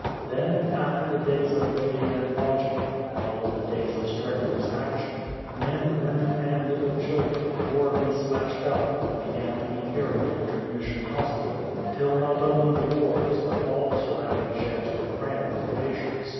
Then, after the days of waiting and watching, followed the days of strenuous action. Men, women, and little children, horribly smashed up, began to be carried into the mission hospital, till not only the wards but all the surrounding sheds were crammed with patients.